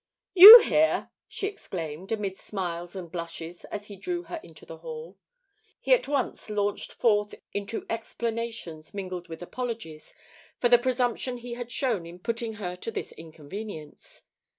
"You here!" she exclaimed, amid smiles and blushes, as he drew her into the hall. He at once launched forth into explanations mingled with apologies for the presumption he had shown in putting her to this inconvenience.